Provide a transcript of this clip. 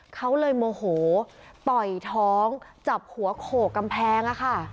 เขาเลยโมโหปล่อยท้องจับหัวโขกกำแพง